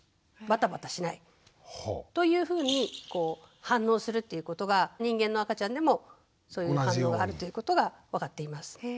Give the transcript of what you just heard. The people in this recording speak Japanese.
バタバタしない。というふうに反応をするということが人間の赤ちゃんでもそういう反応があるということが分かっています。